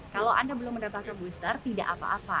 kalau anda belum mendapatkan booster tidak apa apa